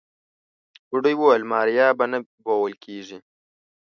بوډۍ وويل ماريا به نه بيول کيږي.